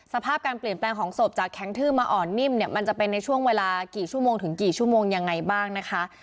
สภาพการเปลี่ยนแปลงของศพจากแข็งทื้อมาอ่อนนิ่มเนี่ยมันจะเป็นในช่วงเวลากี่ชั่วโมงถึงกี่ชั่วโมงยังไงบ้างนะคะ